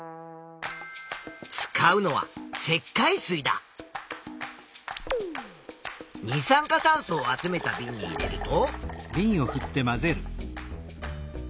使うのは二酸化炭素を集めたびんに入れると。